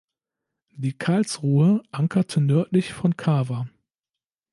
Die "Karlsruhe" ankerte nördlich von Cava.